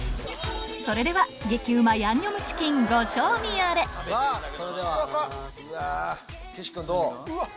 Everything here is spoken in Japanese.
それでは激うまヤンニョムチキンご賞味あれ岸君どう？